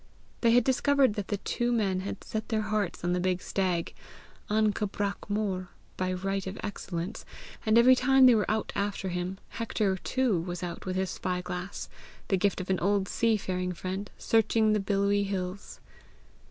They had discovered that the two men had set their hearts on the big stag, an cabrach mor by right of excellence, and every time they were out after him, Hector too was out with his spy glass, the gift of an old sea faring friend, searching the billowy hills.